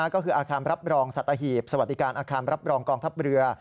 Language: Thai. ก็คืออาคารรับรองสัตหีบสวัสดิการอาคารรับรองกองทัพเรือ